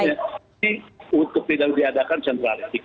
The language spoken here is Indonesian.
ini untuk tidak diadakan sentralistik